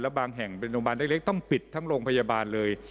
บางแห่งเป็นโรงพยาบาลเล็กต้องปิดทั้งโรงพยาบาลเลย